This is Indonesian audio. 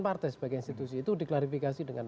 partai sebagai institusi itu diklarifikasi dengan